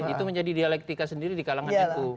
itu menjadi dialektika sendiri di kalangan nu